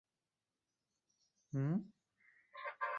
沼生马先蒿沼生是列当科马先蒿属的植物。